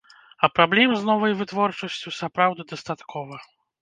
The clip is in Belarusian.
А праблем з новай вытворчасцю, сапраўды, дастаткова.